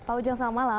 pak ujang selamat malam